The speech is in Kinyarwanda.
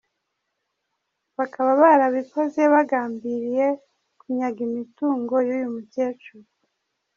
Bakaba barabikoze bagambiriye kunyaga imitungo y’uyu mukecuru.